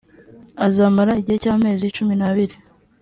azamara gihe cy’amezi cumi n’abiri